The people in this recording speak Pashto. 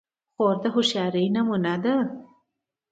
خور د هوښیارۍ نمونه ده.